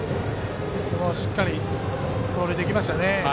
しっかり盗塁できましたね。